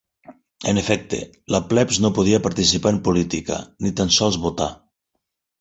En efecte, la plebs no podia participar en política, ni tan sols votar.